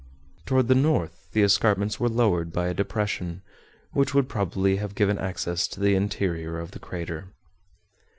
Toward the north the escarpments were lowered by a depression which would probably have given access to the interior of the crater.